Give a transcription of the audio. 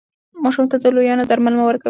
ماشوم ته د لویانو درمل مه ورکوئ.